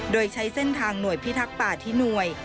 โดยใช้เส้นทางหน่วยพิทักษ์ป่าที่หน่วย